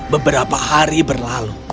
beberapa hari berlalu